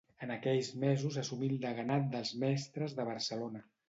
En aquells mesos assumí el Deganat dels Mestres de Barcelona.